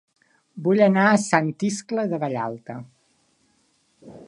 Vull anar a Sant Iscle de Vallalta